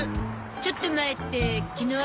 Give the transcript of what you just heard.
ちょっと前って昨日？